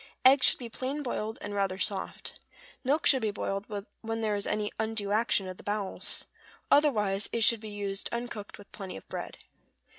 Eggs should be plain boiled, and rather soft. Milk should be boiled when there is any undue action of the bowels; otherwise it should be used uncooked with plenty of bread.